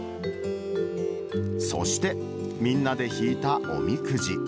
そして、みんなで引いたおみくじ。